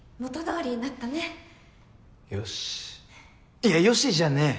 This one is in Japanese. いやよしじゃねぇ。